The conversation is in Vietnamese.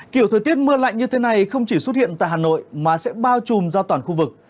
kiểu thời tiết mưa lạnh như thế này không chỉ xuất hiện tại hà nội mà sẽ bao trùm ra toàn khu vực